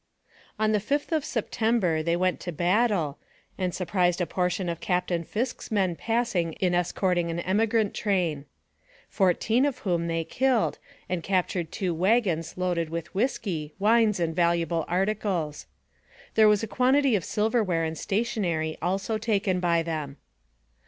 On the 5th of September they went to battle, and surprised a portion of Captain Fisk's men passing in escorting an emigrant train fourteen of whom they killed, and captured two wagons loaded with whisky, wines, and valuable articles. There was a quantity of silver ware and stationery also taken by them.